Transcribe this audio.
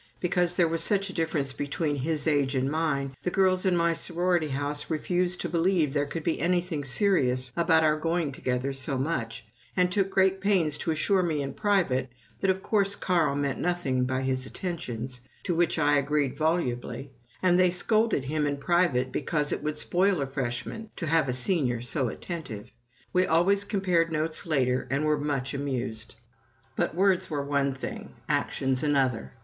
Because there was such a difference between his age and mine, the girls in my sorority house refused to believe there could be anything serious about our going together so much, and took great pains to assure me in private that of course Carl meant nothing by his attentions, to which I agreed volubly, and they scolded him in private because it would spoil a Freshman to have a Senior so attentive. We always compared notes later, and were much amused. But words were one thing, actions another.